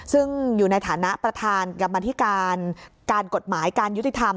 ซึ่งอยู่ในฐานะประธานกรรมธิการการกฎหมายการยุติธรรม